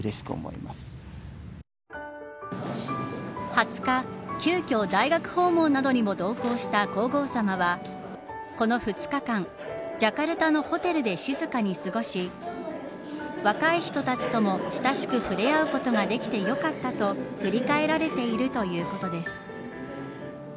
２０日、急きょ大学訪問などにも同行した皇后さまはこの２日間ジャカルタのホテルで静かに過ごし若い人たちとも、親しく触れ合うことができてよかったと振り返られているということです。